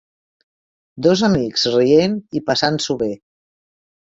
Dos amics rient i passant-s'ho bé.